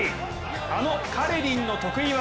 あのカレリンの得意技。